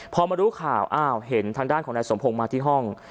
พอมารู้ข่าวอ้าวเห็นทางด้านของนายสมพงศ์มาที่ห้อง